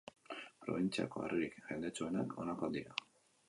Probintziako herririk jendetsuenak honakoak dira.